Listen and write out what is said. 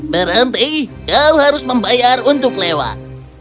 berhenti kau harus membayar untuk lewat